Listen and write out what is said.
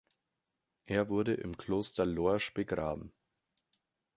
Er wurde im Kloster Lorsch begraben.